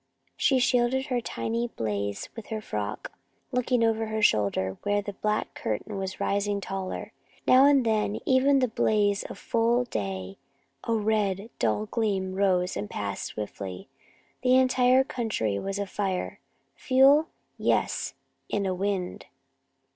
She shielded her tiny blaze with her frock, looking back over her shoulder, where the black curtain was rising taller. Now and then, even in the blaze of full day, a red, dull gleam rose and passed swiftly. The entire country was afire. Fuel? Yes; and a wind.